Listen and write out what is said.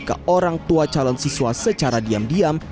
ke orang tua calon siswa secara diam diam